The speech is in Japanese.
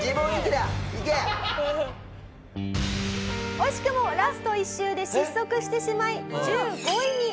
惜しくもラスト１周で失速してしまい１５位に。